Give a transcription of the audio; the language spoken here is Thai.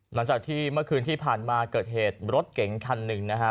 หลังจากที่เมื่อคืนที่ผ่านมาเกิดเหตุรถเก๋งคันหนึ่งนะฮะ